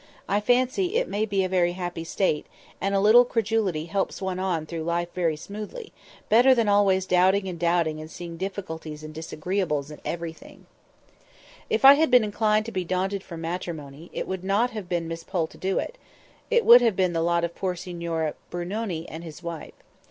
I can fancy it may be a very happy state, and a little credulity helps one on through life very smoothly—better than always doubting and doubting and seeing difficulties and disagreeables in everything." [Picture: Would stretch out their little arms] If I had been inclined to be daunted from matrimony, it would not have been Miss Pole to do it; it would have been the lot of poor Signor Brunoni and his wife.